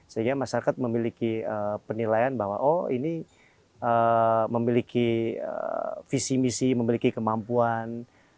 sehingga masyarakat memiliki penilaian bahwa oh ini memiliki visi misi memiliki kemampuan